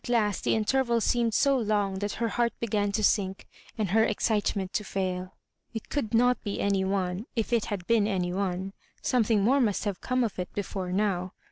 last the interval seemed so long that her heart began to sink, and her excitement to fail It could not be any one — if it had been any one, something more must have come of it before now.